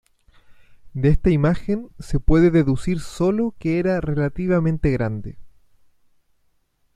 De esta imagen se puede deducir sólo que era relativamente grande.